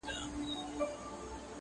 o بابا گيلې کوي، ادې پېرې کوي٫